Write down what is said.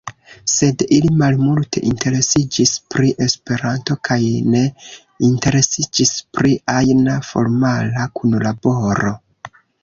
Sed ili malmulte interesiĝis pri Esperanto kaj ne interesiĝis pri ajna formala kunlaboro.